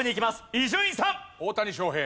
伊集院さん。